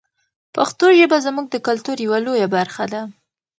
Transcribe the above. پښتو ژبه زموږ د کلتور یوه لویه برخه ده.